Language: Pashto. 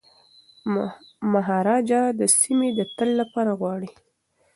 مهاراجا دا سیمي د تل لپاره غواړي.